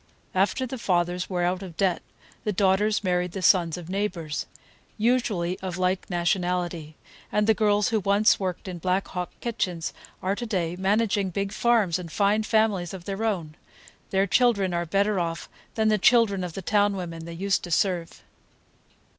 After the fathers were out of debt, the daughters married the sons of neighbors,—usually of like nationality,—and the girls who once worked in Black Hawk kitchens are to day managing big farms and fine families of their own; their children are better off than the children of the town women they used to serve.